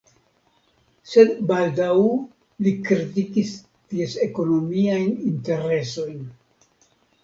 Sed baldaŭ li kritikis ties ekonomiajn interesojn.